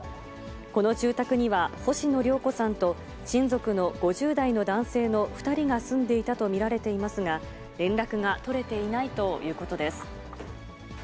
この住宅には、星野良子さんと親族の５０代の男性の２人が住んでいたと見られていますが、連絡が取れていないということです。